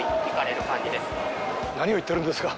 何を言ってるんですか？